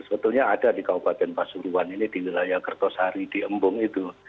sebetulnya ada di kabupaten pasuruan ini di wilayah kertosari di embung itu